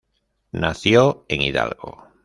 Nació en Hidalgo.